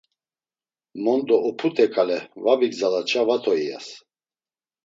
Mondo oput̆e ǩale var vigzalatşa va to iyas.